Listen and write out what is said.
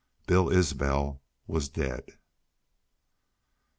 Bill Isbel was dead.